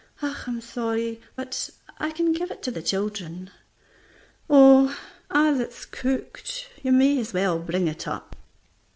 "I'm so sorry, but I can give it to the children." "Oh, as it's cooked, you may as well bring it up."